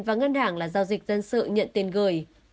và ngân hàng là giao dịch dân sự nhận tiền gửi